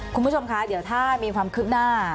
คุณผู้ชมคะเดี๋ยวถ้ามีความคืบหน้า